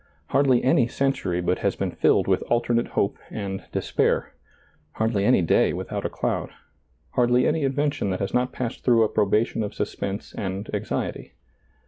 Hardly any century but has been filled with alternate hope and despair ; hardly any day without a cloud ; hardly any invention that has not passed through a probation of suspense and ^lailizccbvGoOgle A NEW YEAR SERMON 85 anxiety.